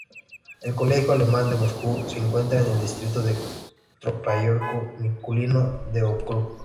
El Colegio Alemán de Moscú se encuentra en el distrito de Troparyovo-Nikulino del ókrug.